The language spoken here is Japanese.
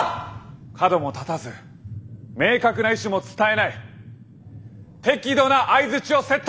カドも立たず明確な意思も伝えない適度な相づちをセット。